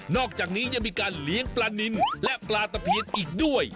อกจากนี้ยังมีการเลี้ยงปลานินและปลาตะเพียนอีกด้วย